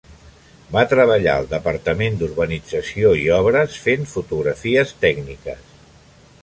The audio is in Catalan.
Va treballar al Departament d'Urbanització i Obres fent fotografies tècniques.